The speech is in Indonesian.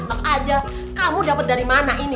lok aja kamu dapat dari mana ini